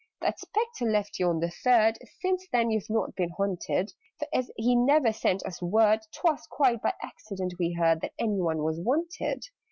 "That Spectre left you on the Third Since then you've not been haunted: For, as he never sent us word, 'Twas quite by accident we heard That any one was wanted.